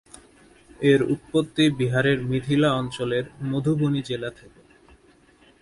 এর উৎপত্তি বিহারের মিথিলা অঞ্চলের মধুবনী জেলা থেকে।